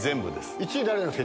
１位誰なんですか？